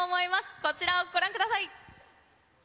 こちらをご覧ください。